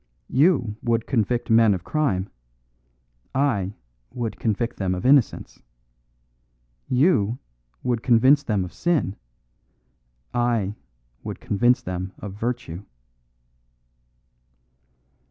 You would convict men of crime, I would convict them of innocence. You would convince them of sin, I would convince them of virtue.